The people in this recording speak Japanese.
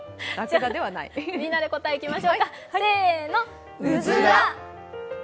みんなで答えいきましょうか、せーの、うずら。